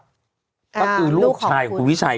ก็คือลูกชายของคุณวิชัย